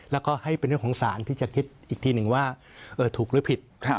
แล้วก็ให้เป็นเรื่องของสารที่จะคิดอีกทีหนึ่งว่าถูกหรือผิด